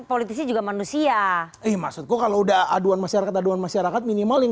politisi juga manusia eh maksudku kalau udah aduan masyarakat aduan masyarakat minimal yang